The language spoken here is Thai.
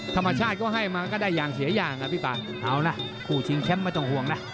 ธรรมชาติก็ให้มาก็ได้อย่างเสียอย่างอ่ะพี่ป่าเอานะคู่ชิงแชมป์ไม่ต้องห่วงนะ